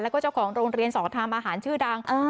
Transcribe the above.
แล้วก็เจ้าของโรงเรียนสอดทำอาหารชื่อดัง